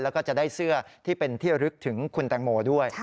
แล้วก็จะได้เสื้อที่เป็นที่ระลึกถึงคุณแตงโมด้วย